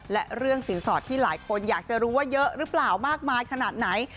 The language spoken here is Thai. และเรื่องสินสอดที่หลายคนอยากจะรู้ว่าเยอะหรือเปล่ามากมายขนาดไหน